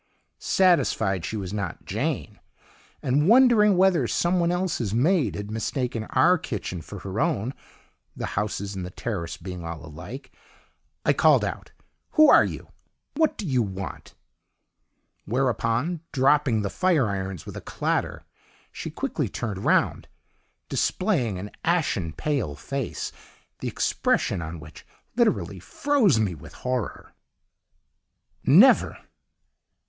Satisfied she was not 'Jane,' and wondering whether some one else's maid had mistaken our kitchen for her own the houses in the terrace being all alike I called out, 'Who are you? what do you want?' whereupon, dropping the fire irons with a clatter, she quickly turned round, displaying an ashen pale face, the expression on which literally froze me with horror. "Never!